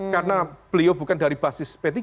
karena beliau bukan dari basis p tiga